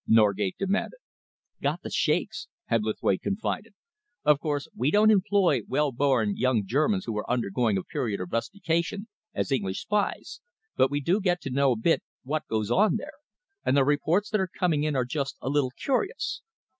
Norgate demanded. "Got the shakes," Hebblethwaite confided. "Of course, we don't employ well born young Germans who are undergoing a period of rustication, as English spies, but we do get to know a bit what goes on there, and the reports that are coming in are just a little curious.